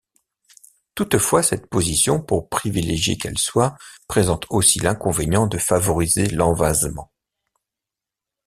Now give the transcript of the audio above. Toutefois, cette position, pour privilégiée qu'elle soit, présente aussi l'inconvénient de favoriser l'envasement.